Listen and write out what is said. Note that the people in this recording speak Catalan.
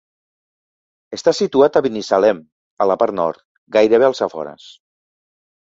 Està situat a Binissalem, a la part nord, gairebé als afores.